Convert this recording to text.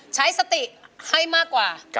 ใช้สติให้มากกว่า